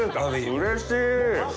うれしい！